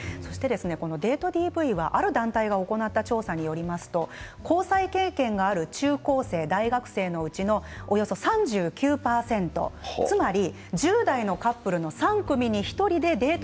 このデートＤＶ、ある団体が行った調査によりますと交際経験のある中学生、高校生、大学生のうちおよそ３９％つまり１０代のカップルの３組に１組でデート